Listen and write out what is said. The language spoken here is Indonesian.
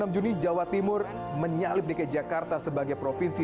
enam juni jawa timur menyalip dki jakarta sebagai provinsi